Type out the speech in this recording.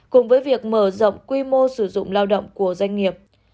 cùng với việc mở rộng quy mô sử dụng lao động của doanh nghiệp